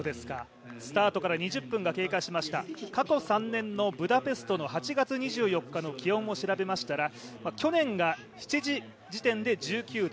スタートから２０分が経過しました、過去３年のブダペストの８月２４日の気温を調べましたら、去年が７時時点で１９度。